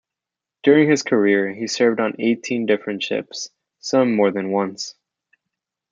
During his career, he served on eighteen different ships, some more than once.